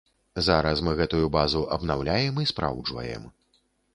Зараз мы гэтую базу абнаўляем і спраўджваем.